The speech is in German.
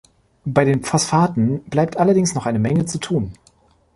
Bei den Phosphaten bleibt allerdings noch eine Menge zu tun.